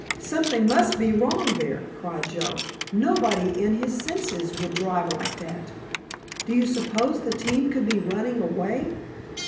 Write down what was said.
"Something must be wrong there," cried Joe; "nobody in his senses would drive like that! Do you suppose the team could be running away?